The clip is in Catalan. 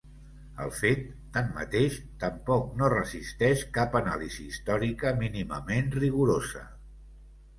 El fet, tanmateix, tampoc no resisteix cap anàlisi històrica mínimament rigorosa.